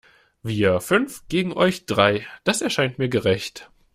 Wir fünf gegen euch drei, das erscheint mir gerecht.